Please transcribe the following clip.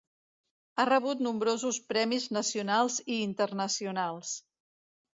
Ha rebut nombrosos premis nacionals i internacionals.